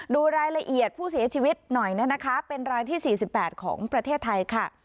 ดูรายละเอียดผู้เสียชีวิตหน่อยนะคะเป็นรายที่๔๘ของประเทศไทยค่ะ